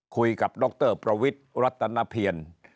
คุยกับดรประวิทรัตนเพียร